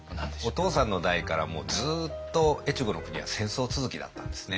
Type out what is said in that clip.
お父さんの代からもうずっと越後の国は戦争続きだったんですね。